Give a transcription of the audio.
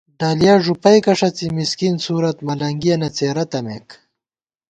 ڈلیہ ݫُوپیکہ ݭڅی مِسکین صورت ، ملَنگِیَنہ څېرہ تمېک